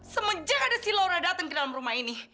semenjak ada si laura datang ke dalam rumah ini